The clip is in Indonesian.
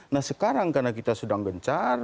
nah sekarang karena kita sedang gencar